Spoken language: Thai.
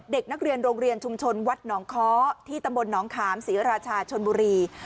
เด็กนักเรียนโรงเรียนชุมชนวัดหนองค้อที่ตำบลหนองขามศรีราชาชนบุรี